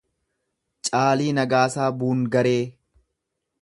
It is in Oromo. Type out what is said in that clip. Caalii Nagaasaa Buungaree